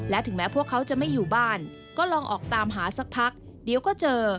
และถึงแม้พวกเขาจะไม่อยู่บ้านก็ลองออกตามหาสักพักเดี๋ยวก็เจอ